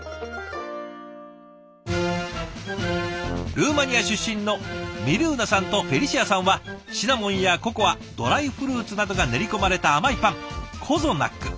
ルーマニア出身のミルーナさんとフェリシアさんはシナモンやココアドライフルーツなどが練り込まれた甘いパンコゾナック。